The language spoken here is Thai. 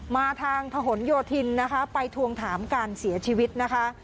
มาทางถนนโยธินนะคะไปทวงถามการเสียชีวิตนะคะ